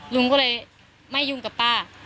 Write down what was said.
ลุงก็เลยไม่ยุ่งกับป้า